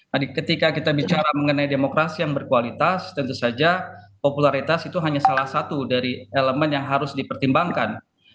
nah ketika kita bicara mengenai demokrasi yang berkualitas tentu saja popularitas itu hanya salah satu dari elemen yang harus dipertimbangkan